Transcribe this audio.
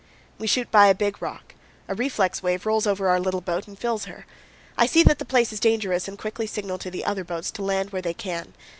We shoot by a big rock; a reflex wave rolls over our little boat and fills her. I see that the place is dangerous and quickly signal to the other boats to land where they can.